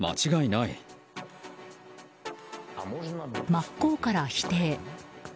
真っ向から否定。